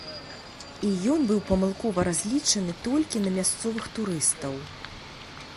І ён быў памылкова разлічаны толькі на мясцовых турыстаў.